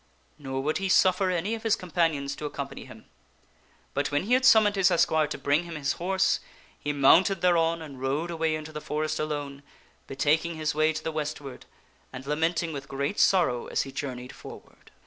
Nor would he suffer any of his companions to accompany him ; but when he had summoned his esquire to bring him his horse, he mounted thereon and rode away into the forest alone, be Pfiiias. taking his way to the westward, and lamenting with great sorrow as he journeyed forward.